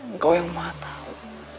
engkau yang maha tahu